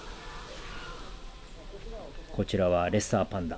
こちらはレッサーパンダ。